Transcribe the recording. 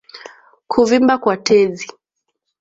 Kuvimba kwa tezi